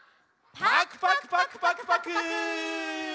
パクパクパクパク。